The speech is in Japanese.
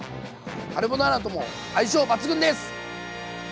カルボナーラとも相性抜群です！